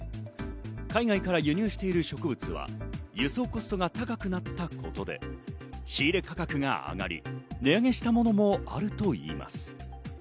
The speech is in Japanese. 海外から輸入している植物は輸送コストが高くなったことで仕入れ価格が上がり、値上げしたものもあるといいます。